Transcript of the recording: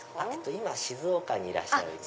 今静岡にいらっしゃいます。